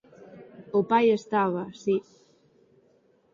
O pai estaba, si.